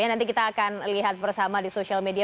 nanti kita akan lihat bersama di social media